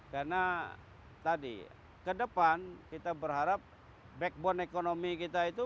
karena tadi ke depan kita berharap backbone ekonomi kita itu